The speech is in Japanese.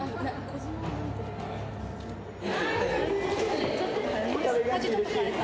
配置ちょっと変えた。